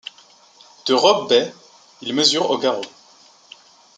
De robe bai, il mesure au garrot.